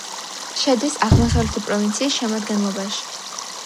შედის აღმოსავლეთი პროვინციის შემადგენლობაში.